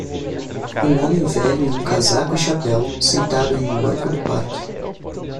Um homem velho em um casaco e chapéu sentado em um banco do parque.